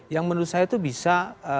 yang menurut saya itu bisa